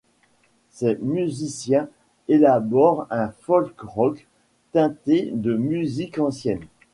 Ses musiciens élaborent un folk rock, teinté de musique ancienne.